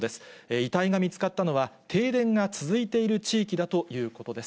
遺体が見つかったのは、停電が続いている地域だということです。